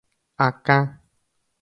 Akã